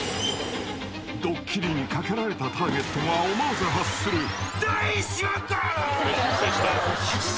［ドッキリにかけられたターゲットが思わず発する］